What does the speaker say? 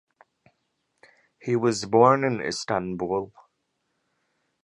He was born in Istanbul.